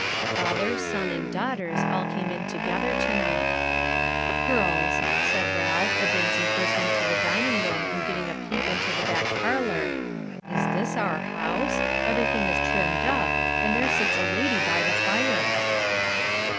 Father, son, and daughters, all came in together to night. "Girls," said Ralph, advancing first into the dining room and getting a peep into the back parlour, "is this our house? Everything is trimmed up, and there sits a lady by the fire."